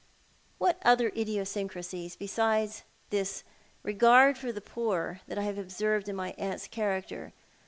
"What other idiosyncrasies besides this regard for the poor have I observed in my aunt's character